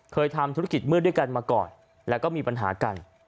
เคยทำธุรกิจมืดด้วยกันมาก่อนแล้วก็มีปัญหากัน